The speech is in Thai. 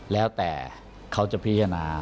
แล้วแต่เขาจะพิจารณา